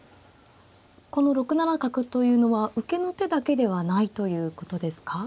この６七角というのは受けの手だけではないということですか。